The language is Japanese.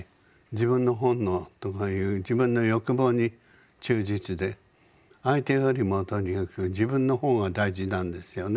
自分の本能とかいう自分の欲望に忠実で相手よりもとにかく自分の方が大事なんですよね。